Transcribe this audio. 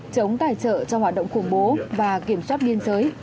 chống tài trợ cho hoạt động khủng bố và kiểm soát biên giới